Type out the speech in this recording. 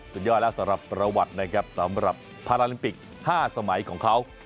สุดยอดแล้วสำหรับประวัตินะครับสำหรับพาราลิมปิก๕สมัยของเขา